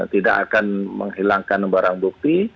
tidak akan menghilangkan barang bukti